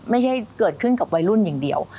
ไม่ใช่เกิดขึ้นกับวัยรุ่นอย่างเดียว